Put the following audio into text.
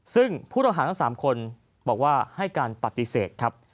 ซึ่งผู้ต้องหาทั้ง๓คนบอกว่าให้การปฏิเสธครับ